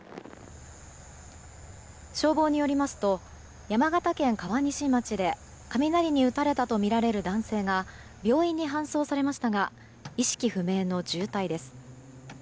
消防によりますと山形県川西町で雷に打たれたとみられる男性が病院に搬送されましたが意識不明の重体です。